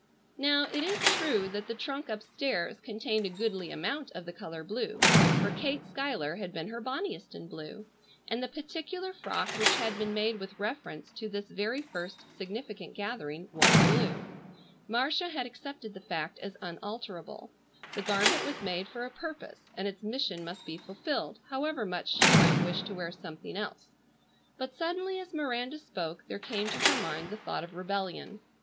Now it is true that the trunk upstairs contained a goodly amount of the color blue, for Kate Schuyler had been her bonniest in blue, and the particular frock which had been made with reference to this very first significant gathering was blue. Marcia had accepted the fact as unalterable. The garment was made for a purpose, and its mission must be fulfilled however much she might wish to wear something else, but suddenly as Miranda spoke there came to her mind the thought of rebellion.